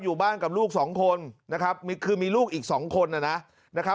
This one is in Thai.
อยู่บ้านกับลูกสองคนนะครับคือมีลูกอีกสองคนนะครับ